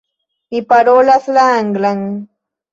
Mi parolas la anglan.